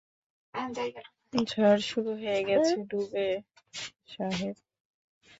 ঝড় শুরু হয়ে গেছে, ডুবে সাহেব।